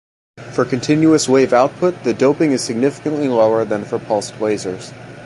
For continuous wave output, the doping is significantly lower than for pulsed lasers.